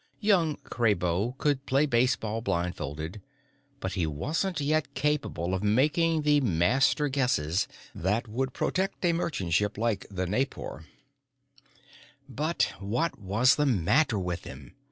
Young Kraybo could play baseball blindfolded, but he wasn't yet capable of making the master guesses that would protect a merchantship like the Naipor. But what was the matter with him?